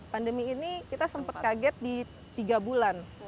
pandemi ini kita sempat kaget di tiga bulan